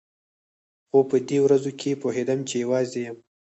خو په دې ورځو کښې پوهېدم چې يوازې يم.